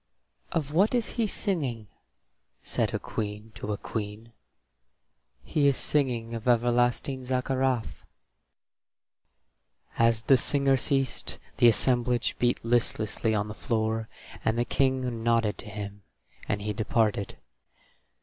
"Of what is he singing?" said a queen to a queen. "He is singing of everlasting Zaccarath." As the singer ceased the assemblage beat listlessly on the floor, and the King nodded to him, and he departed.